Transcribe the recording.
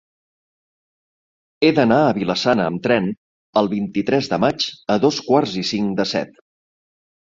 He d'anar a Vila-sana amb tren el vint-i-tres de maig a dos quarts i cinc de set.